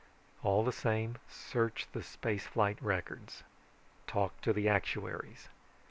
"All the same, search the space flight records, talk to the actuaries.